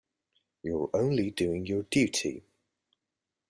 You are only doing your duty.